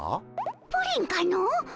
プリンかの！